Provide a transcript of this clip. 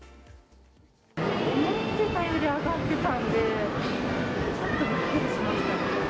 思ってたより上がってたんで、ちょっとびっくりしました。